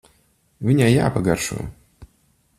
Viņai jāpagaršo.